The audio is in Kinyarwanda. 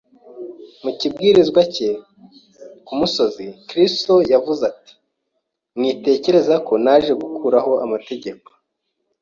Mu kibwirizwa cye ku musozi, Kristo yaravuze ati: “Mwitekereza ko naje gukuraho amategeko